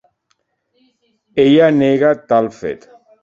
Ella negà tal fet.